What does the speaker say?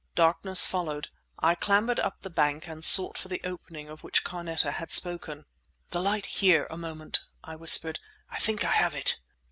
Darkness followed. I clambered up the bank and sought for the opening of which Carneta had spoken. "The light here a moment," I whispered. "I think I have it!"